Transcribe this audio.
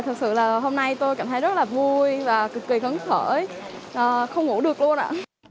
thật sự là hôm nay tôi cảm thấy rất là vui và cực kỳ phấn khởi không ngủ được luôn ạ